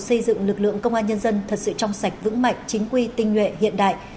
xây dựng lực lượng công an nhân dân thật sự trong sạch vững mạnh chính quy tinh nhuệ hiện đại